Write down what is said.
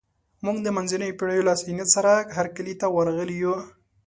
موږ د منځنیو پېړیو له ذهنیت سره هرکلي ته ورغلي یو.